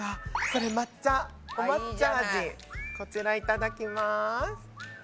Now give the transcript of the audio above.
こちらいただきます。